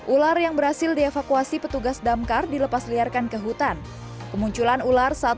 ular yang berhasil dievakuasi petugas damkar dilepas liarkan ke hutan kemunculan ular saat